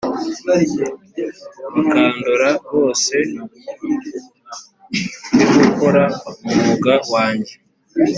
Bakandora bose ndigukora umwuga wanjye